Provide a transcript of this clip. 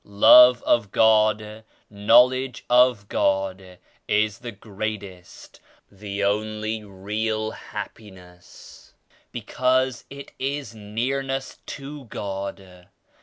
Love of God, Knowledge of God is the greatest, the only real happiness, because it is Nearness to God.